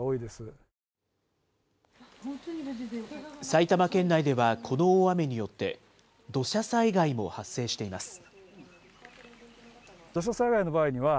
埼玉県内ではこの大雨によって、土砂災害も発生しています。